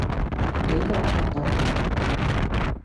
幾個客等緊